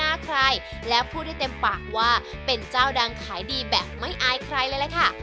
ใครแล้วพูดได้เต็มปากว่าเป็นเจ้าดังขายดีแบบไม่อายใครเลยล่ะค่ะ